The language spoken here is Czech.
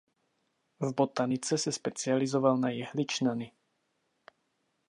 V botanice se specializoval na jehličnany.